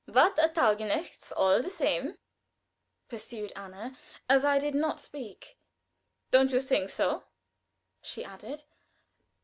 "But a Taugenichts all the same," pursued Anna as I did not speak. "Don't you think so?" she added.